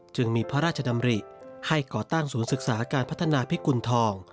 จึงมีพระราชดำริให้ก่อตั้งศูนย์ศึกษาการพัฒนาพิกุณฑอง